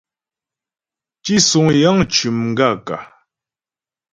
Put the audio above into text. Tísuŋ yəŋ cʉ́ m gaə̂kə̀ ?